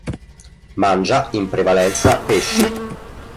Mangia in prevalenza pesci.